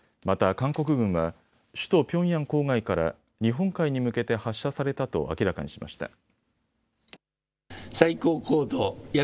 また韓国軍は首都ピョンヤン郊外から日本海に向けて発射されたと明らかにしました。